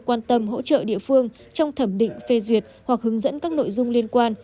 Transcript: quan tâm hỗ trợ địa phương trong thẩm định phê duyệt hoặc hướng dẫn các nội dung liên quan